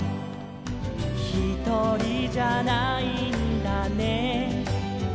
「ひとりじゃないんだね」